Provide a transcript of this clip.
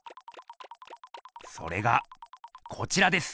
それがこちらです！